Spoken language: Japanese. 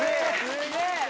すげえ！